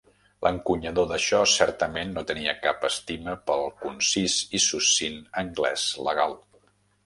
L'encunyador d'això certament no tenia cap estima pel concís i succint anglès legal.